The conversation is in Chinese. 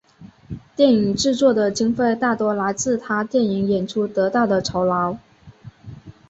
电影制作的经费大多来自他电影演出得到的酬劳。